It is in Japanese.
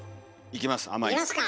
いきますか。